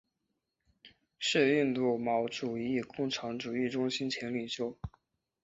是印度毛主义共产主义中心前领袖。